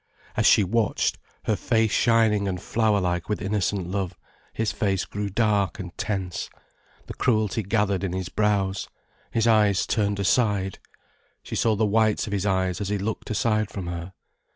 As she watched, her face shining and flower like with innocent love, his face grew dark and tense, the cruelty gathered in his brows, his eyes turned aside, she saw the whites of his eyes as he looked aside from her.